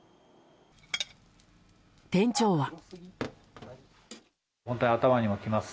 店長は。